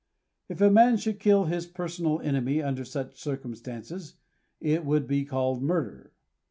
If a man should kill his personal enemy under such circum stances, it would be called murder.